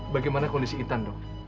bagaimana kondisi intan dok